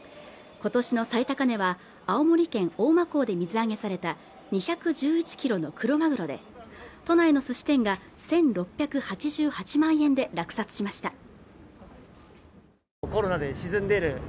今年の最高値は青森県大間港で水揚げされた２１１キロのクロマグロで都内の寿司店が１６８８万円で落札しました